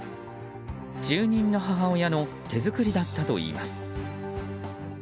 住人の母親の手作りだったといいます。